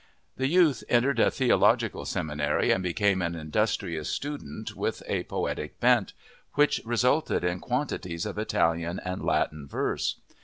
The youth entered a theological seminary and became an industrious student with a poetic bent, which resulted in quantities of Italian and Latin verse.